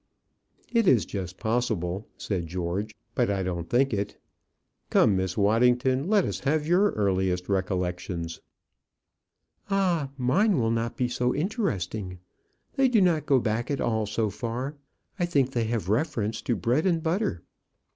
"It is just possible," said George; "but I don't think it. Come, Miss Waddington, let us have your earliest recollections." "Ah! mine will not be interesting. They do not go back at all so far. I think they have reference to bread and butter."